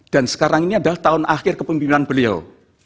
sekarang ini adalah tahun akhir kepemimpinan beliau